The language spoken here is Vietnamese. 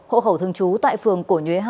hộ khẩu thương chú tại phường cổ nhuế hai